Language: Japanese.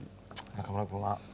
中村君は？